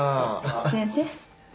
先生。